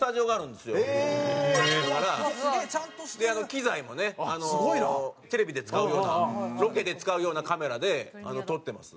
機材もねテレビで使うようなロケで使うようなカメラで撮ってます。